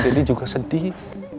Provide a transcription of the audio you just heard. dedi juga sedih